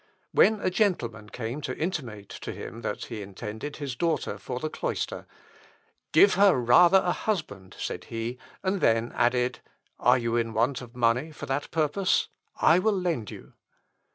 When a gentleman came to intimate to him that he intended his daughter for the cloister, "Give her rather a husband," said he; and then added, "Are you in want of money for that purpose? I will lend you."